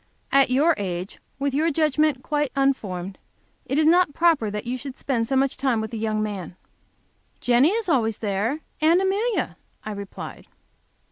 At your age, with your judgment quite unformed, it is not proper that you should spend so much time with a young man. "Jenny is always there, and Amelia," I replied.